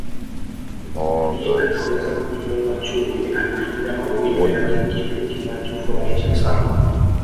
mtalii anaweza kumuona chui akifanya mawindo yake kitu kinachofurahisha sana